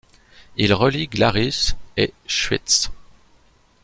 Il relie Glaris et Schwytz.